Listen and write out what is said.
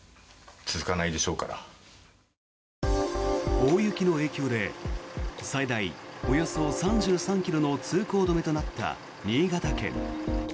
大雪の影響で最大およそ３３ｋｍの通行止めとなった新潟県。